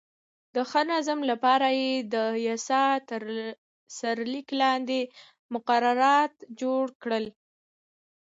د ښه نظم لپاره یې د یاسا تر سرلیک لاندې مقررات جوړ کړل.